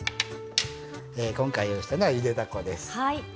今回用意したのはゆでだこです。